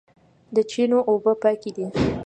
د چینو اوبه پاکې دي